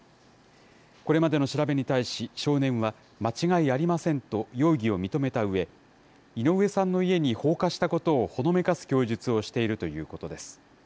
これまでの調べに対し、少年は、間違いありませんと容疑を認めたうえ、井上さんの家に放火したことをほのめかす供述をしているということです。